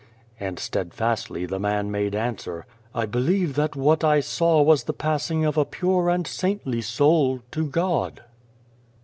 And steadfastly the man made answer, " I believe that what I saw was the passing of a pure and saintly soul to God.''